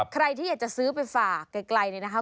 ใครที่อยากจะซื้อไปฝากไกลเนี่ยนะคะ